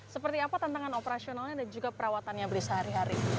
seperti apa tantangan operasionalnya dan juga perawatannya beli sehari hari